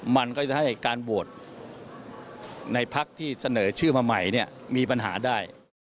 มันก็จะให้การโหวตในพักที่เสนอชื่อมาใหม่เนี่ยมีปัญหาได้